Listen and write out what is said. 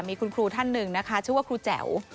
มีคุณครูท่านหนึ่งนะคะชื่อว่าครูแจ๋ว